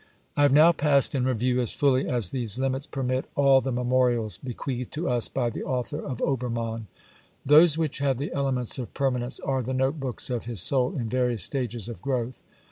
I have now passed in review, as fully as these limits permit, all the memorials bequeathed to us by the author of Obermann. Those which have the elements of per manence are the note books of his soul in various stages of growth.